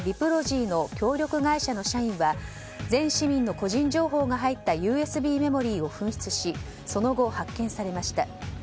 ＢＩＰＲＯＧＹの協力会社の社員は全市民の個人情報が入ったＵＳＢメモリーを紛失しその後、発見されました。